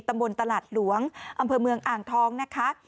ตำบลตลาดหลวงอำเภอเมืองอ่างทองนะคะ